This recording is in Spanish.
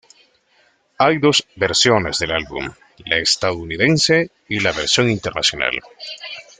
Hay dos versiones del álbum, la estadounidense y la versión internacional.